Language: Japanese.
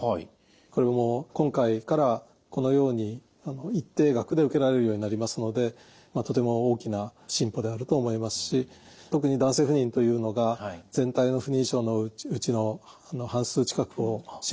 これも今回からこのように一定額で受けられるようになりますのでとても大きな進歩であると思いますし特に男性不妊というのが全体の不妊症のうちの半数近くを占めてることは間違いありませんので